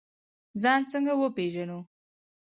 ځان څنګه وپیژنو؟